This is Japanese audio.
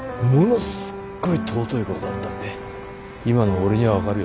すっごい尊いことだったって今の俺には分かるよ。